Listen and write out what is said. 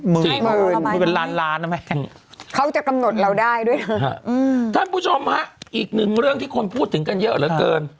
มือเป็นล้านนะแม่เขาจะกำหนดเราได้ท่านผู้ชมอีกนึงเรื่องที่คนพูดถึงกันเยอะเหลือเกิน